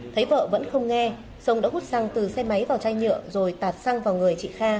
thấy vợ vẫn không nghe sông đã hút xăng từ xe máy vào chai nhựa rồi tạt xăng vào người chị kha